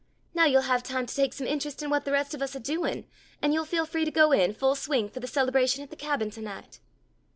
Now you'll have time to take some interest in what the rest of us are doing, and you'll feel free to go in, full swing, for the celebration at the Cabin tonight."